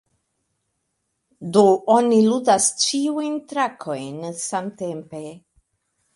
Do oni ludas ĉiujn trakojn samtempe.